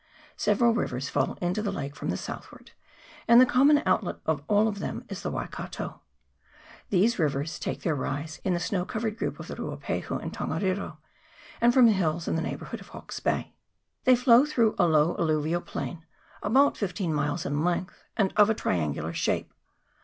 Several rivers fall into the lake from the southward, and the common outlet of all of them is the Wai kato. These rivers take their rise in the snow covered group of the Ruapahu and Tongariro, and from the hills in the neighbourhood of Hawke's Bay. They flow through a low alluvial plain, about fifteen miles in length, and of a triangular shape.